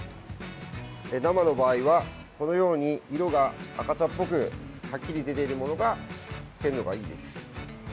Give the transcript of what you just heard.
生ホタルの場合はこのように色が赤茶っぽくはっきり出ているものが鮮度がいいです。